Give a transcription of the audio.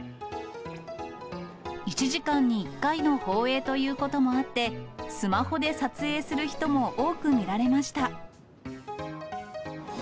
１時間に１回の放映ということもあって、スマホで撮影する人も多く見られました。